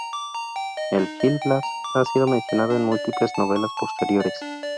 El Gil Blas ha sido mencionado en múltiples novelas posteriores.